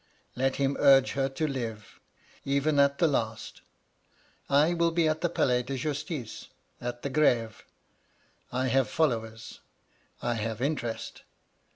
Let him urge her to live. Even at the last, I will be at the Palais de Justice, — at the Greve. I have followers, — I have interest.